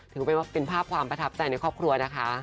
ถือว่าเป็นภาพความประทับใจในครอบครัวนะคะ